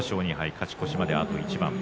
勝ち越しまであと一番です。